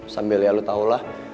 sambil ya lo tau lah